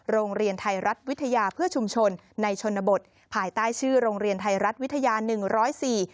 โรงเรียนไทยรัฐวิทยาเพื่อชุมชนในชนบทภายใต้ชื่อโรงเรียนไทยรัฐวิทยาหนึ่งร้อยสี่